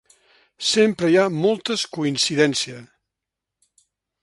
Sempre hi ha moltes coincidència